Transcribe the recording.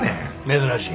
珍しい。